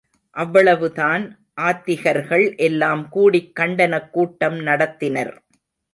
அவ்வளவுதான் ஆத்திகர்கள் எல்லாம் கூடிக் கண்டனக் கூட்டம் நடத்தினர்.